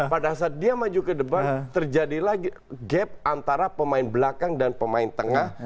pada saat dia maju ke depan terjadi lagi gap antara pemain belakang dan pemain tengah